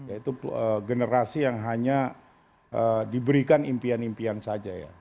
yaitu generasi yang hanya diberikan impian impian saja ya